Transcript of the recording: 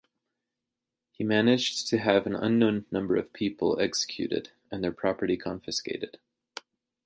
He managed to have an unknown number of people executed and their property confiscated.